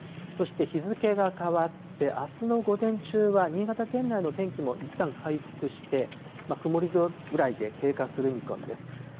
そして日付が変わって、あすの午前中は新潟県内の天気もいったん回復して、曇りぐらいで経過する見込みです。